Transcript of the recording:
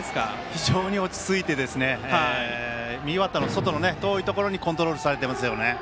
非常に落ち着いて右バッターの外の遠いところにコントロールされていますね。